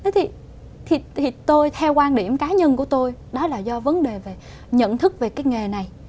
thì tôi theo quan điểm cá nhân của tôi đó là do vấn đề về nhận thức về cái nghề này